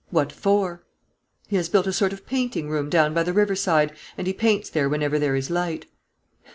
"What for?" "He has built a sort of painting room down by the river side, and he paints there whenever there is light."